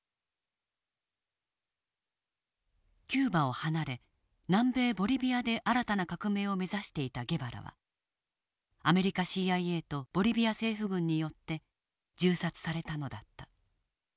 キューバを離れ南米ボリビアで新たな革命を目指していたゲバラはアメリカＣＩＡとボリビア政府軍によって銃殺されたのだった。